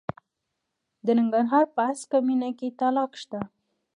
د ننګرهار په هسکه مینه کې تالک شته.